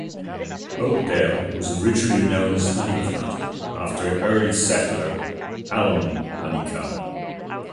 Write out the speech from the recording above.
Oakdale was originally known as "Honeycutt" after an early settler, Allen Honeycutt.